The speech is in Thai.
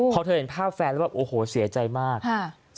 พอเธอเห็นภาพแฟนแล้วแบบโอ้โหเสียใจมาก